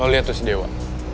lo liat tuh si dewa